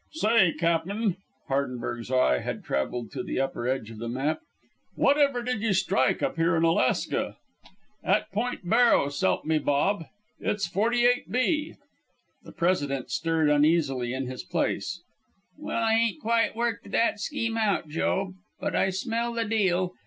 "Say, Cap'n!" Hardenberg's eye had traveled to the upper edge of the map "whatever did you strike up here in Alaska? At Point Barrow, s'elp me Bob! It's 48 B." The President stirred uneasily in his place. "Well, I ain't quite worked that scheme out, Joe. But I smell the deal.